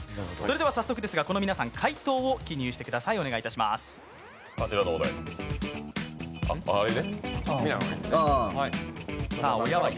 早速ですが、この皆さん回答を記入してください。